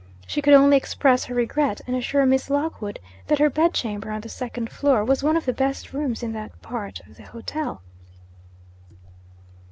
She could only express her regret, and assure Miss Lockwood that her bed chamber on the second floor was one of the best rooms in that part of the hotel.